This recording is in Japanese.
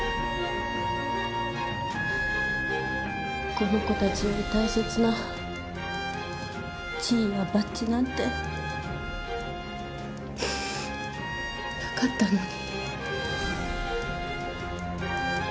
この子たちより大切な地位やバッジなんてなかったのに。